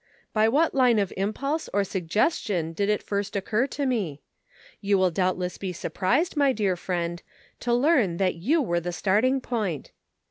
By what line of impulse or suggestion did it first occur to me ? You will doubtless be surprised, my dear friend, to learn that you were the starting point.